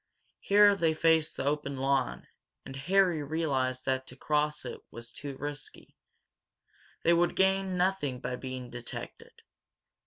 Here they faced the open lawn, and Harry realized that to try to cross it was too risky. They would gain nothing by being detected.